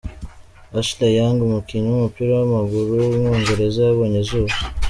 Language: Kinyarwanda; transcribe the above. Ashley Young, umukinnyi w’umupira w’amaguru w’umwongereza yabonye izuba.